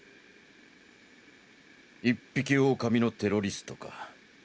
一匹狼のテロリストか。